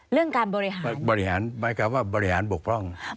เรื่องการบริหารบริหารหมายความว่าบริหารบกพร่อง